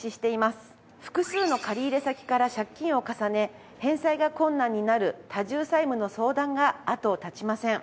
複数の借入先から借金を重ね返済が困難になる多重債務の相談が後を絶ちません。